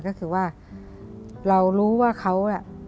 ก็คือว่าเรารู้ว่าเขา